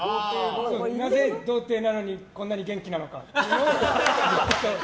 何で童貞なのにこんなに元気なのか。